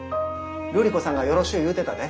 ルリ子さんがよろしゅう言うてたで。